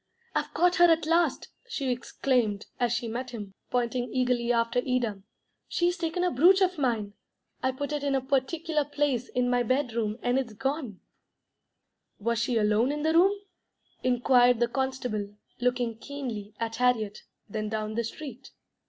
"I've caught her at last," she exclaimed, as she met him, pointing eagerly after Ida. "She's taken a brooch of mine. I put it in a particular place in my bed room, and it's gone." "Was she alone in the room?" inquired the constable, looking keenly at Harriet, then down the street.